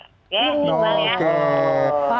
oke iqbal ya